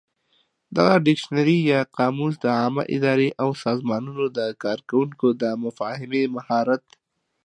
دغه ډکشنري یا قاموس د عامه ادارې او سازمانونو د کارکوونکو د مفاهمې مهارت